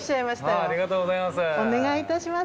ありがとうございます。